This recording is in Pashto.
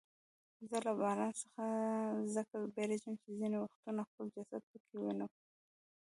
زه له باران څخه ځکه بیریږم چې ځیني وختونه خپل جسد پکې وینم.